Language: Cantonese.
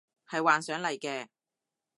係幻想嚟嘅